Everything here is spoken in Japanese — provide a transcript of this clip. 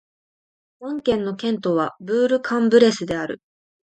アン県の県都はブール＝カン＝ブレスである